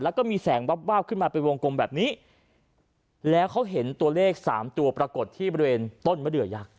แล้วก็มีแสงวับวาบขึ้นมาเป็นวงกลมแบบนี้แล้วเขาเห็นตัวเลขสามตัวปรากฏที่บริเวณต้นมะเดือยักษ์